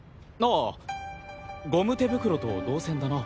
あぁゴム手袋と銅線だな。